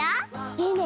いいね。